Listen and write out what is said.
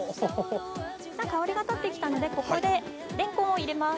香りが立って来たのでここでレンコンを入れます。